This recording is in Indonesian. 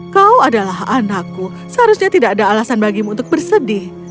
kau adalah anakku seharusnya tidak ada alasan bagimu untuk bersedih